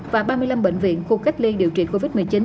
và ba mươi năm bệnh viện khu cách ly điều trị covid một mươi chín